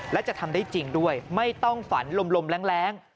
และจะทำได้จริงด้วยไม่ต้องฝันลมแรง